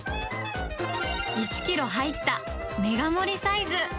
１キロ入ったメガ盛りサイズ。